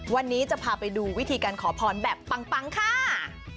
วันนี้จะพาไปดูวิธีการขอพรแบบปังค่ะ